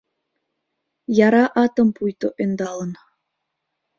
Яра атым пуйто ӧндалын